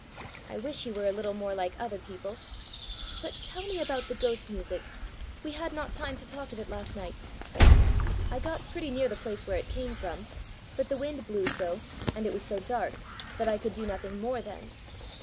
I wish he were a little more like other people! But tell me about the ghost music: we had not time to talk of it last night!" "I got pretty near the place it came from. But the wind blew so, and it was so dark, that I could do nothing more then."